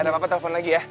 ada apa apa telfon lagi ya